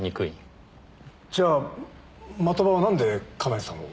じゃあ的場はなんで叶絵さんを？